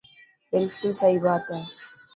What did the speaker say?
بلڪل سهي بات هي.